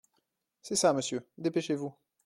C’est ça, monsieur, dépêchez-vous !